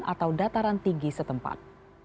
atau dataran tinggi setempat